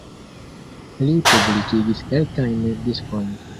Li publikigis kelkajn diskojn.